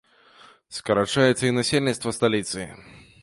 Скарачаецца і насельніцтва сталіцы.